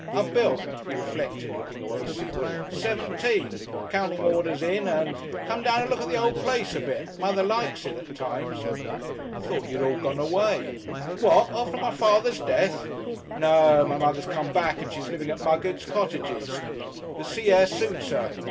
I've built," he reflected, looking away seaward "seventeen. Counting orders in 'and.... Come down to look at the old place a bit. Mother likes it at times." "Thought you'd all gone away " "What! after my father's death? No! My mother's come back, and she's living at Muggett's cottages. The sea air suits 'er.